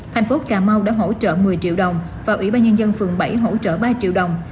thành phố cà mau đã hỗ trợ một mươi triệu đồng và ủy ban nhân dân phường bảy hỗ trợ ba triệu đồng